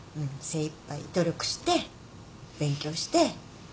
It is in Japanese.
精いっぱい努力して勉強して。